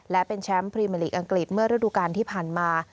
และเป็นแชมป์พรีเมอร์ลีกอังกฤษเมื่อฤดูการที่ผ่านมา